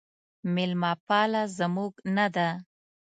میلمه پاله زموږ نه ده